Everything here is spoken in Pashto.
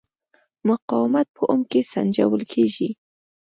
مقاومت په اوم کې سنجول کېږي.